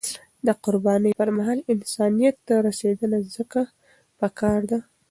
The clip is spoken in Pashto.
د قربانی پر مهال، انسانیت ته رسیدنه ځکه پکار ده.